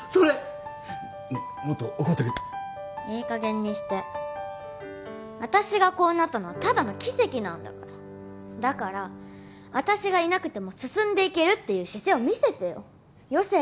ねえもっと怒っていい加減にして私がこうなったのはただの奇跡なんだからだから私がいなくても進んでいけるっていう姿勢を見せてよ